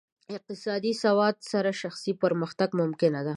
اقتصادي سواد سره شخصي پرمختګ ممکن دی.